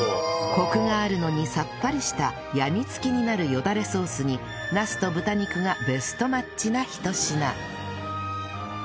コクがあるのにさっぱりしたやみつきになるよだれソースにナスと豚肉がベストマッチなひと品